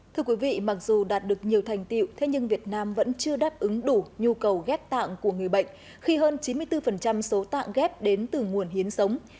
thưa quý vị mặc dù đạt được nhiều thành tiệu thế nhưng việt nam vẫn chưa đáp ứng đủ nhu cầu ghép tạng của người bệnh khi hơn chín mươi bốn số tạng ghép đến từ nguồn hiến sống